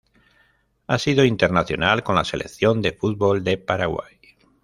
Ha sido internacional con la Selección de fútbol de Paraguay.